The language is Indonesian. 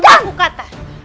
sudah aku kata